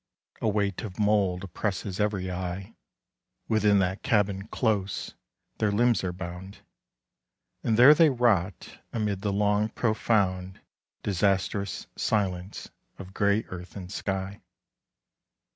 A weight of mould oppresses every eye, Within that cabin close their limbs are bound, And there they rot amid the long profound, Disastrous silence of grey earth and sky.